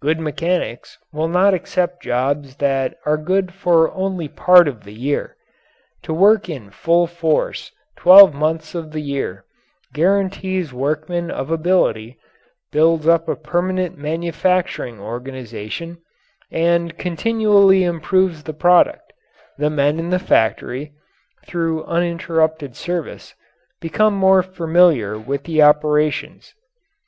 Good mechanics will not accept jobs that are good for only part of the year. To work in full force twelve months of the year guarantees workmen of ability, builds up a permanent manufacturing organization, and continually improves the product the men in the factory, through uninterrupted service, become more familiar with the operations.